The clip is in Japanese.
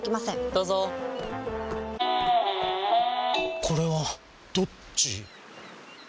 どうぞこれはどっち？